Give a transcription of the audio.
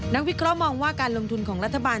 วิเคราะห์มองว่าการลงทุนของรัฐบาล